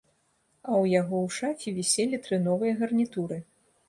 А ў яго ў шафе віселі тры новыя гарнітуры.